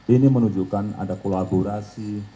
ini menunjukkan ada kolaborasi